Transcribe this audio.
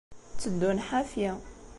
Tteddun ḥafi.